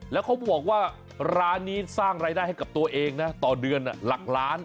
แล้วเขาบอกว่าร้านนี้สร้างรายได้ให้กับตัวเองนะต่อเดือนหลักล้าน